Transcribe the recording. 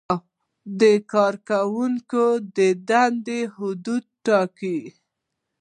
دا د کارکوونکو د دندو حدود ټاکي.